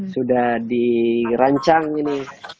sudah dirancang ini